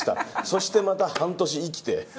そしてまた半年生きて。